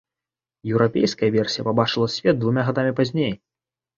Еўрапейская версія пабачыла свет двума гадамі пазней.